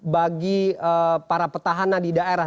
bagi para petahana di daerah